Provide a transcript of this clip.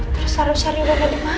terus harus cari udah nanti mana ya